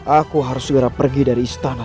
aku harus segera pergi dari istana